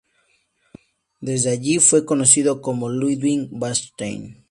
Desde allí fue conocido como Ludwig Bechstein.